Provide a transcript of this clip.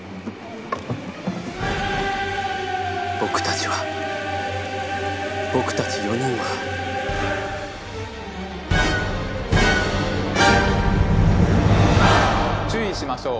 僕たちは僕たち４人は注意しましょう！